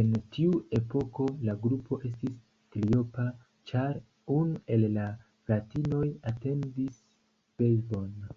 En tiu epoko la grupo estis triopa, ĉar unu el la fratinoj atendis bebon.